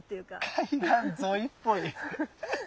海岸沿いっぽい。